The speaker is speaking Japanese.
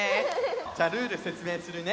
じゃあルールせつめいするね。